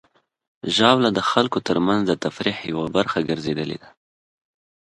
ژاوله د خلکو ترمنځ د تفریح یوه برخه ګرځېدلې ده.